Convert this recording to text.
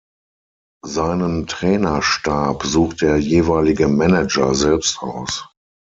Seinen Trainerstab sucht der jeweilige Manager selbst aus.